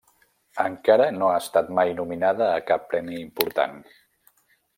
Encara no ha estat mai nominada a cap premi important.